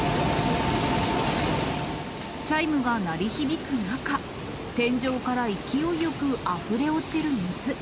チャイムが鳴り響く中、天井から勢いよくあふれ落ちる水。